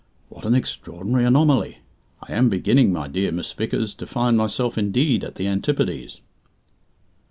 "What an extraordinary anomaly! I am beginning, my dear Miss Vickers, to find myself indeed at the antipodes."